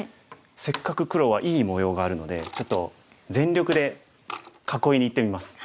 せっかく黒はいい模様があるのでちょっと全力で囲いにいってみます。